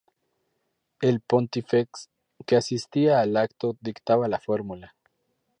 El "pontifex" que asistía al acto dictaba la fórmula.